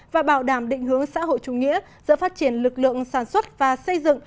và bảo đảm định hướng xã hội chủ nghĩa giữa phát triển lực lượng sản xuất và xây dựng